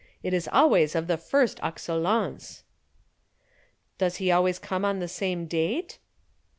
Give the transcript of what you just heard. It is always of the first excellence." "Does he always come on the same date?"